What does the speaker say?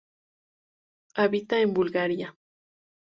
Habita en Bulgaria.